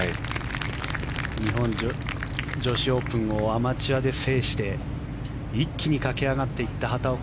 日本女子オープンをアマチュアで制して一気に駆け上がっていった畑岡。